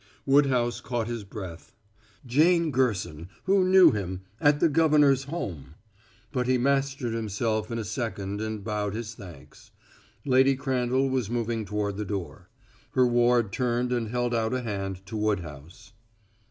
Woodhouse caught his breath. Jane Gerson, who knew him, at the governor's home! But he mastered himself in a second and bowed his thanks. Lady Crandall was moving toward the door. Her ward turned and held out a hand to Woodhouse.